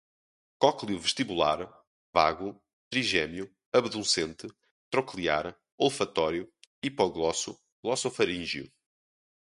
cócleo-vestibular, vago, trigêmeo, abducente, troclear, olfatório, hipoglosso, glossofaríngeo